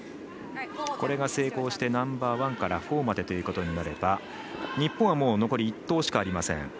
これが成功してナンバーワンからフォーまでということになれば日本は残り１投しかありません。